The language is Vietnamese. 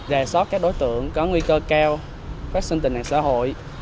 rè sót các đối tượng có nguy cơ keo phát sinh tệ nạn xã hội